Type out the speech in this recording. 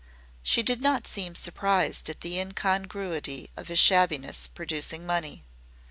She did not seem surprised at the incongruity of his shabbiness producing money.